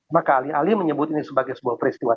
maka alih alih menyebut ini sebagai sebuah peristiwa